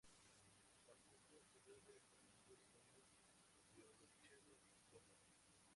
Tampoco se debe confundir con el violonchelo piccolo.